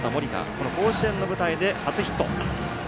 この甲子園の舞台で初ヒット。